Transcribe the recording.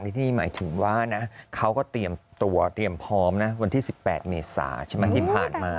นี่หมายถึงว่านะเขาก็เตรียมตัวเตรียมพร้อมนะวันที่๑๘เมษาใช่ไหมที่ผ่านมา